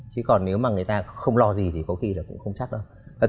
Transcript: chứ còn nếu mà người ta không lo gì thì có khi là cũng không chắc đâu